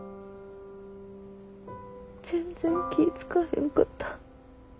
全然気ぃ付かへんかった。